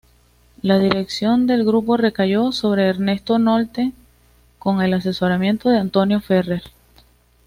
La dirección del grupo recayó sobre Ernesto Nolte, con el asesoramiento de Antonio Ferrer.